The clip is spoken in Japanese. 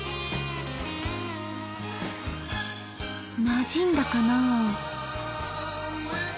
なじんだかな？